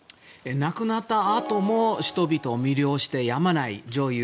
亡くなったあとも人々を魅了してやまない女優